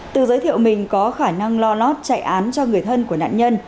từ giới thiệu mình có khả năng lo lót chạy án cho người thân của nạn nhân